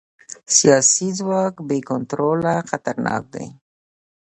سیاسي ځواک بې کنټروله خطرناک دی